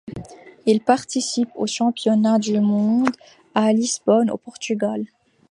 Il participe aux championnats du monde à Lisbonne au Portugal.